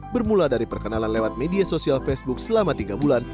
bermula dari perkenalan lewat media sosial facebook selama tiga bulan